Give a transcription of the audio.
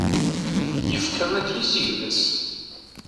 Yefka adlis i gma-s.